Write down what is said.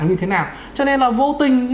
như thế nào cho nên là vô tình